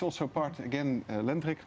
untuk panggung laut besar